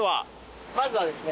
まずはですね。